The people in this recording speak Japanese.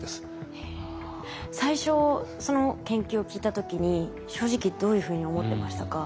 最初その研究を聞いた時に正直どういうふうに思ってましたか？